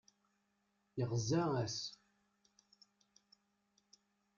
Yeɣza-as.